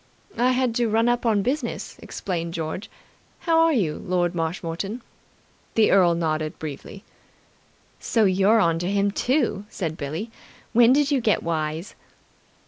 "I had to run up on business," explained George. "How are you, Lord Marshmoreton?" The earl nodded briefly. "So you're on to him, too?" said Billie. "When did you get wise?"